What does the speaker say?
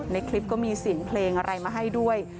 ในคลิปก็มีเสียงเพลงอะไรมาให้ด้วย